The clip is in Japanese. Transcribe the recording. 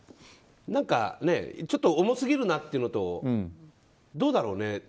何かねちょっと重すぎるなというのとどうだろうね。